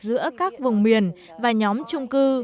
giữa các vùng miền và nhóm trung cư